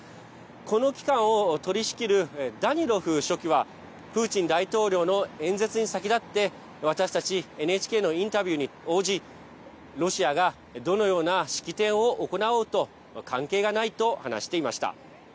この機関をとりしきるダニロフ書記はプーチン大統領の演説に先立って私たちＮＨＫのインタビューに応じロシアがどのような式典を行おうと関係がないと話していました。